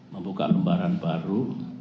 membuka lembaran baru